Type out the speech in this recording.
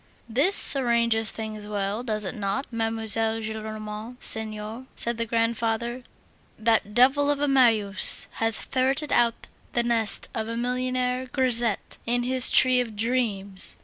"This arranges things well, does it not, Mademoiselle Gillenormand senior?" said the grandfather. "That devil of a Marius has ferreted out the nest of a millionaire grisette in his tree of dreams!